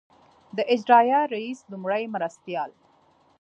د اجرائیه رییس لومړي مرستیال.